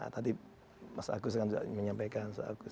tadi mas agus kan menyampaikan